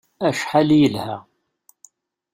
Acḥal i yelha!